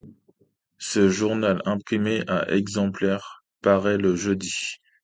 Ce journal, imprimé à exemplaires, paraît le jeudi.